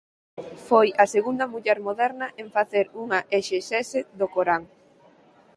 Foi a segunda muller moderna en facer unha exexese do Corán.